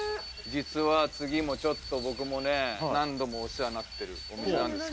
実は次もちょっと僕もね何度もお世話になってるお店なんです。